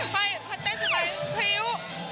ไปเต้นสบายพริ้ว